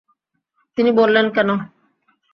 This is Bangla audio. তিনি বললেন, কেন?